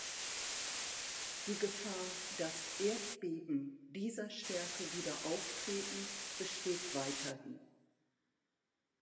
Die Gefahr, dass Erdbeben dieser Stärke wieder auftreten, besteht weiterhin.